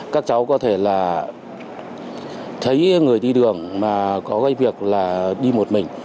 các cháu có thể là thấy người đi đường mà có cái việc là đi một mình